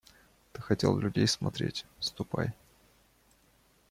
Ты хотел людей смотреть, ступай.